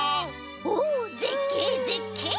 おぜっけいぜっけい！